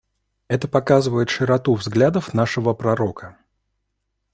Это показывает широту взглядов нашего пророка.